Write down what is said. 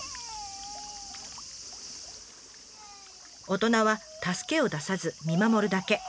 大人は助けを出さず見守るだけ。